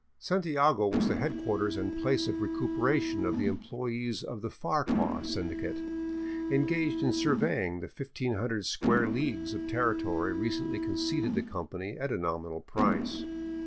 Santiago was the headquarters and place of recuperation of the em ployees of the Farquhar Syndicate, engaged in surveying the 1500 square leagues of territory recently conceded the company at a nominal price.